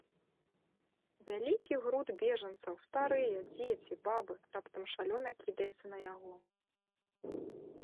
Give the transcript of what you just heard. Вялікі груд бежанцаў — старыя, дзеці, бабы — раптам шалёна кідаецца на яго.